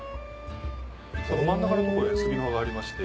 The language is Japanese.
真ん中のとこへ杉の葉が入りまして。